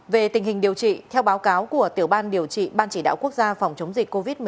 về tình hình điều trị theo báo cáo của tiểu ban điều trị ban chỉ đạo quốc gia phòng chống dịch covid